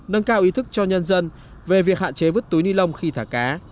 nâng cao ý thức cho nhân dân về việc hạn chế vứt túi ni lông khi thả cá